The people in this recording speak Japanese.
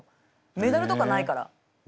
メダルとかないから。